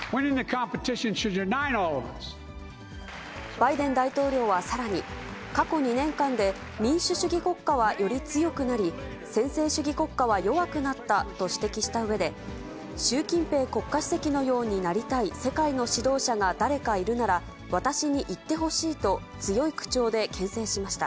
バイデン大統領はさらに、過去２年間で、民主主義国家はより強くなり、専制主義国家は弱くなったと指摘したうえで、習近平国家主席のようになりたい世界の指導者が誰かいるなら、私に言ってほしいと、強い口調でけん制しました。